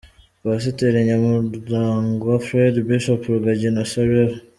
Pasiteri Nyamurangwa Fred, Bishop Rugagi Innocent, Rev.